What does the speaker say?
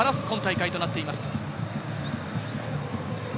今大会となっています。